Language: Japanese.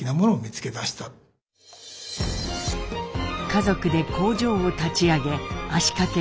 家族で工場を立ち上げ足かけ４年。